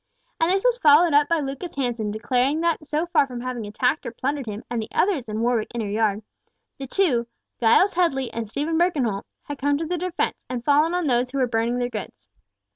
And this was followed up by Lucas Hansen declaring that so far from having attacked or plundered him and the others in Warwick Inner Yard, the two, Giles Headley and Stephen Birkenholt, had come to their defence, and fallen on those who were burning their goods.